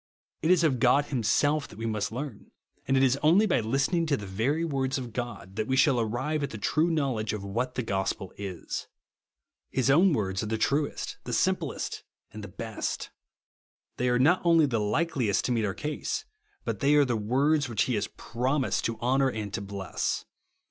It is of God himself that we must learn ; and it is only by listening to the very words of God that we shall arrive at the true knowledge of what the gospel is. His own words are the truest, the simplest, and the best. They are not only the likeliest to meet our case ; but they are the words which he has promised to honour and to bless.